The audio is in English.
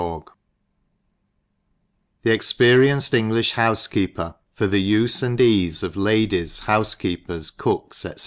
17A ■ THE EXPERIENCED I EngliAi Houfekeeper, For the USE and BASE of Ladies, Houfekeepers, Cooks, &c.